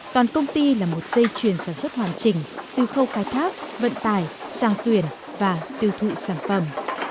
toàn công ty là một dây chuyền sản xuất hoàn chỉnh từ khâu khai thác vận tải sang tuyển và tiêu thụ sản phẩm